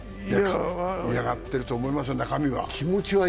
嫌がっていると思いますよ、中身は。